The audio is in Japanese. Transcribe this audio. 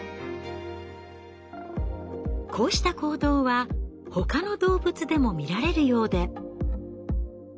こうした行動は他の動物でも見られるようで。